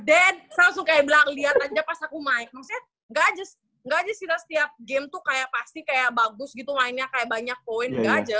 den saya langsung kayak bilang lihat aja pas aku main maksudnya nggak aja sih setiap game tuh kayak pasti kayak bagus gitu mainnya kayak banyak poin nggak aja